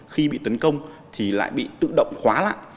khi bị tấn công thì lại bị tự động khóa lại